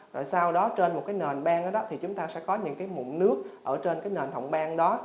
rồi sau đó trên một nền ban đó thì chúng ta sẽ có những mụn nước ở trên nền hồng ban đó